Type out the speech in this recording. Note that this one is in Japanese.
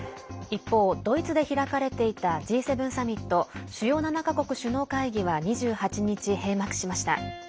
一方、ドイツで開かれていたＧ７サミット＝主要７か国首脳会議は２８日閉幕しました。